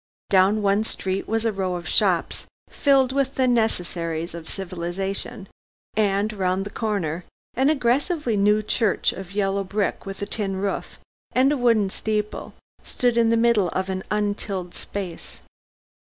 Down one street was a row of shops filled with the necessaries of civilization; and round the corner, an aggressively new church of yellow brick with a tin roof and a wooden steeple stood in the middle of an untilled space.